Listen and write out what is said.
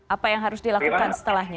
apa yang harus dilakukan setelahnya